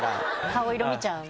顔色見ちゃうよね。